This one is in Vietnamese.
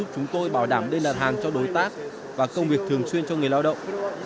chúng tôi bảo đảm đây là hàng cho đối tác và công việc thường xuyên cho người lao động